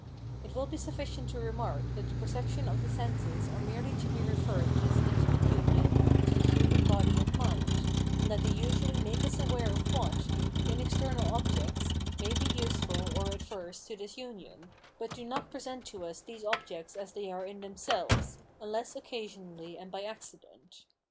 It will be sufficient to remark that the perceptions of the senses are merely to be referred to this intimate union of the human body and mind, and that they usually make us aware of what, in external objects, may be useful or adverse to this union, but do not present to us these objects as they are in themselves, unless occasionally and by accident.